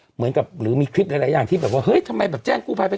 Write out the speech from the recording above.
เหมือนกับหรือมีคลิปหลายอย่างที่แบบว่าเฮ้ยทำไมแบบแจ้งกู้ภัยไป